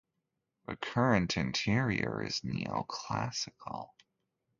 The current interior is Neoclassical.